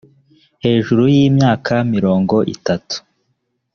hejuru y imyaka mirongo itatu